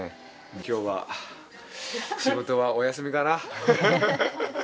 今日は仕事はお休みかな。